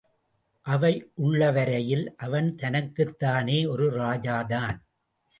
அவை உள்ள வரையிலே அவன் தனக்குத்தானே ஒரு ராஜாதான்!